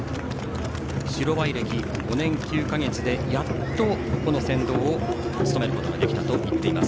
白バイ歴５年９か月でやっと先導を務めることができたと言っています。